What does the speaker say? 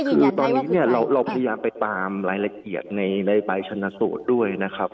คือตอนนี้เนี่ยเราพยายามไปตามรายละเอียดในใบชนสูตรด้วยนะครับ